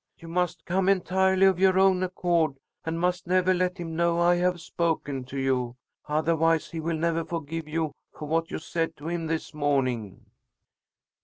"You must come entirely of your own accord and must never let him know I have spoken to you; otherwise he will never forgive you for what you said to him this morning."